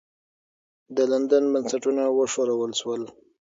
د لندن بنسټونه وښورول سول.